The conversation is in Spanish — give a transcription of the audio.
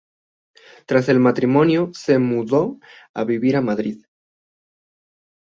Tras el matrimonio se mudó a vivir a Madrid.